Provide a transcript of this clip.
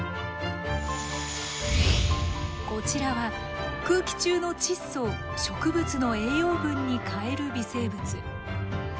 こちらは空気中の窒素を植物の栄養分に変える微生物。